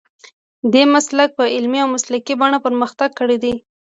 دې مسلک په عملي او مسلکي بڼه پرمختګ کړی دی.